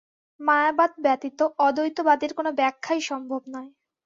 মায়াবাদ ব্যতীত অদ্বৈতবাদের কোন ব্যাখ্যাই সম্ভব নয়।